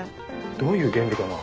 どういう原理かな。